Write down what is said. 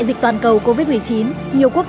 xin cảm ơn